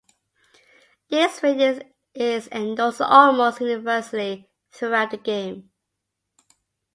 This view is endorsed almost universally throughout the game.